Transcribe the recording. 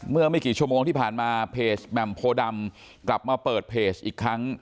เมื่อไม่กี่ชั่วโมงที่ผ่านมาเพจแหม่มโพดำกลับมาเปิดเพจอีกครั้ง